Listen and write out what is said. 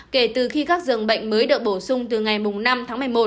kể từ khi các dường bệnh mới được bổ sung từ ngày năm tháng một mươi một